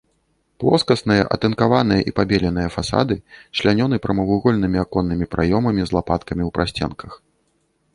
Плоскасныя атынкаваныя і пабеленыя фасады члянёны прамавугольнымі аконнымі праёмамі з лапаткамі ў прасценках.